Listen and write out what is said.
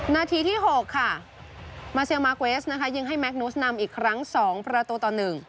นาทีที่๖ค่ะมาเซลมาร์เกวสนะคะยิงให้แมคนุสนำอีกครั้ง๒ประตูต่อ๑